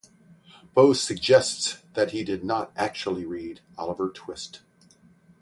Bo suggests that he did not actually read "Oliver Twist".